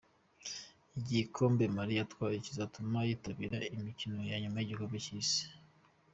Igikombe Mali yatwaye kizatuma yitabira imikino ya nyuma y'igikombe cy'isi.